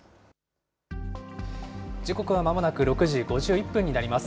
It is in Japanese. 時刻はまもなく６時５１分になります。